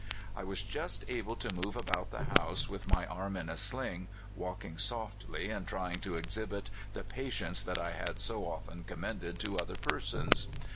I was just able to move about the house, with my arm in a sling, walking softly, and trying to exhibit the patience that I had so often com mended to other persons.